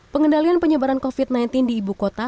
pengendalian penyebaran covid sembilan belas di ibu kota